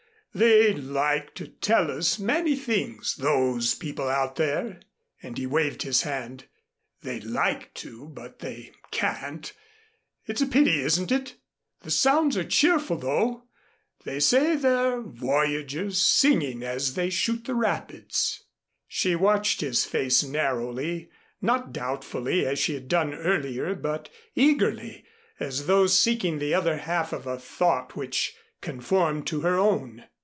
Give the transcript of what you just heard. They'd like to tell us many things those people out there," and he waved his hand. "They'd like to, but they can't. It's a pity, isn't it? The sounds are cheerful, though. They say they're the voyagers singing as they shoot the rapids." She watched his face narrowly, not doubtfully as she had done earlier, but eagerly, as though seeking the other half of a thought which conformed to her own.